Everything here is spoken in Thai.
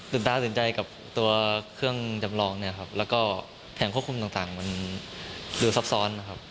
ตื่นตาสนใจกับตัวเครื่องจำลองและแผงควบคุมต่างมันดูซับซ้อนครับ